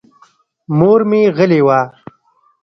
مور مې غلې وه.